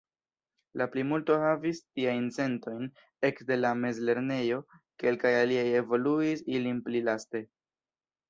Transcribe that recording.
La plimulto havis tiajn sentojn ekde la mezlernejo; kelkaj aliaj evoluis ilin pli laste.